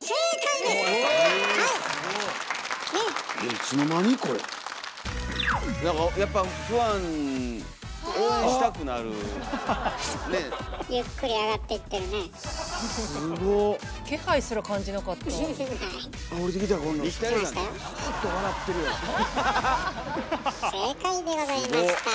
正解でございました。